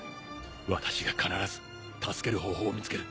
私が必ず助ける方法を見つける